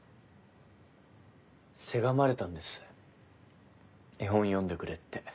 せがまれたんです絵本読んでくれって。